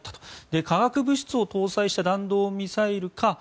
化学物質を搭載した弾道ミサイルか